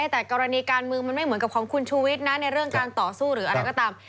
แต่กรณีการเมืองมันไม่เหมือนกับของคุณชูวิทย์นะในเรื่องการต่อสู้หรืออะไรก็ตาม